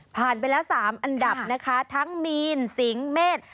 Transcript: ไปแล้ว๓อันดับนะคะทั้งมีนสิงเมษ